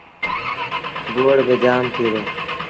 گوڙ باجآم ٿئي پئيٚ۔